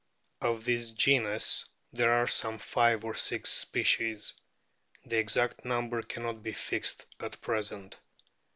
Of this genus there are some five or six species ; the exact number cannot be fixed at present.